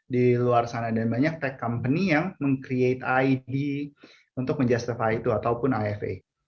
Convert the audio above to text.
di luar sana dan banyak tech company yang meng create id untuk manjusteri itu ataupun ifa